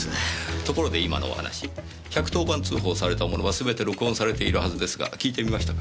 ところで今のお話１１０番通報されたものはすべて録音されているはずですが聞いてみましたか？